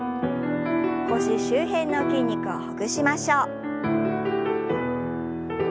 腰周辺の筋肉をほぐしましょう。